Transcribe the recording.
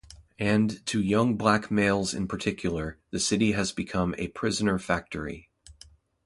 And to young black males in particular, the city has become a prisoner factory.